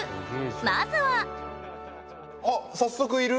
まずは早速いる？